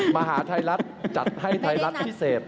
มหาไทยรัฐจัดให้ไทยรัฐพิเศษ